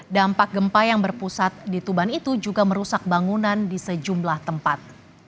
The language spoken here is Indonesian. dampak gempa yang berpusat di tuban itu juga merusak bangunan di sejumlah tempat